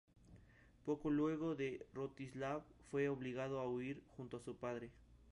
Poco luego de esto Rostislav fue obligado a huir junto a su padre.